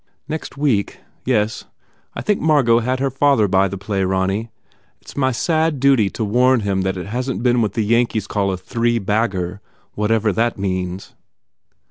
"Next week. Yes, I think Margot had her father buy the play, Ronny. It s my sad duty to warn him that it hasn t been what the Yankees call a three bagger whatever that means."